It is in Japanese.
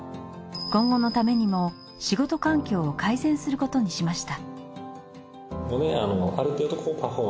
今後のためにも仕事環境を改善することにしました。